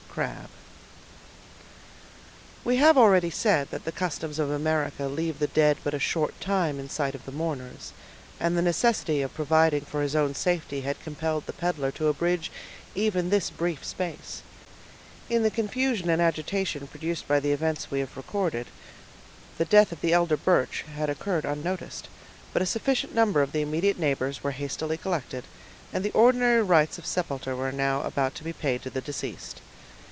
—CRABBE. We have already said that the customs of America leave the dead but a short time in sight of the mourners; and the necessity of providing for his own safety had compelled the peddler to abridge even this brief space. In the confusion and agitation produced by the events we have recorded, the death of the elder Birch had occurred unnoticed; but a sufficient number of the immediate neighbors were hastily collected, and the ordinary rites of sepulture were now about to be paid to the deceased.